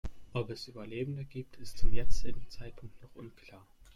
Ob es Überlebende gibt, ist zum jetzigen Zeitpunkt noch unklar.